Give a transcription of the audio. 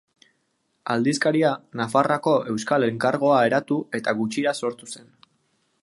Aldizkaria Nafarroako Euskal Elkargoa eratu eta gutxira sortu zen.